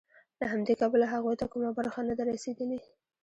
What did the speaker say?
له همدې کبله هغوی ته کومه برخه نه ده رسېدلې